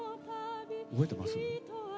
覚えてます？